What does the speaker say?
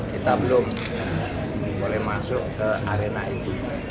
kita belum boleh masuk ke arena ini